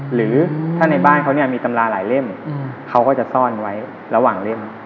หรือถ้าในบ้านเขาเนี่ยมีตำราหลายเล่มเขาก็จะซ่อนไว้ระหว่างเล่ม